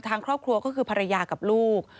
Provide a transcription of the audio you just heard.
ทางครอบครัวก็คือภรรยากับลูก